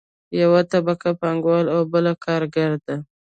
یوه طبقه پانګوال او بله کارګره ده.